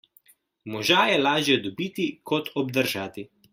Moža je lažje dobiti kot obdržati.